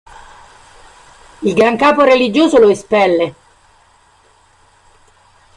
Il gran capo religioso lo espelle.